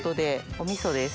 おみそです。